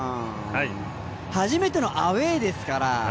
初めてのアウェーですから。